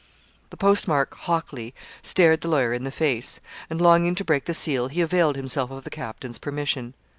The postmark 'Hockley,' stared the lawyer in the face; and, longing to break the seal, he availed himself of the captain's permission.